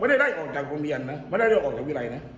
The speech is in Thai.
ได้ไล่ออกจากโรงเรียนนะไม่ได้ไล่ออกจากวิรัยนะ